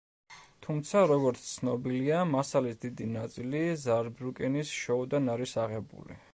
თუმცა, როგორც ცნობილია, მასალის დიდი ნაწილი ზაარბრიუკენის შოუდან არის აღებული.